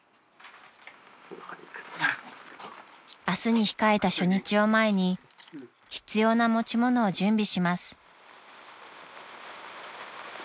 ［明日に控えた初日を前に必要な持ち物を準備します］